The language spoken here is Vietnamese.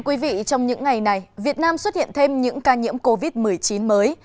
quý vị trong những ngày này việt nam xuất hiện thêm những ca nhiễm covid một mươi chín mới